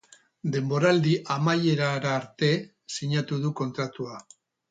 Denboraldi amaierara arte sinatu du kontratua.